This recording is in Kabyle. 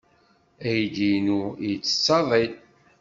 Aydi-inu yettett aḍil.